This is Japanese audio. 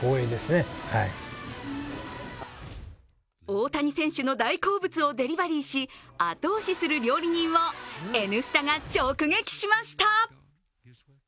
大谷選手の大好物をデリバリーし、後押しする料理人を「Ｎスタ」が直撃しました。